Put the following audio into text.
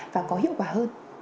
và có hiệu quả hơn